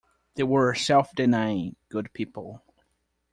They were self-denying, good people.